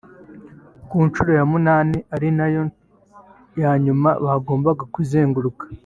Ku nshuro ya munani ari nayo ya nyuma bagombaga kuzenguruka